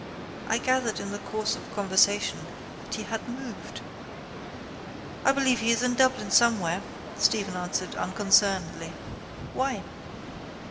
I gathered in the course of conversation that he had moved. —I believe he is in Dublin somewhere, Stephen answered unconcernedly. Why?